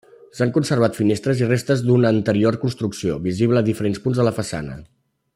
S'han conservat finestres i restes d'una anterior construcció, visibles a diferents punts de la façana.